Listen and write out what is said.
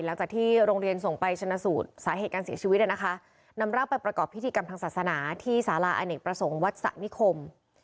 หลังจากที่โรงเรียนส่งไปชนะสูตรสาเหตุการเสียชีวิตนะคะนำร่างไปประกอบพิธีกรรมทางศาสนาที่สาราอเนกประสงค์วัดสะนิคม